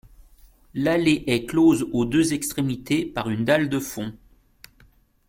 L'allée est close aux deux extrémités par une dalle de fond.